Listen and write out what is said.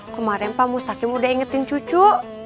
kemarin pak mustakim udah ingetin cucu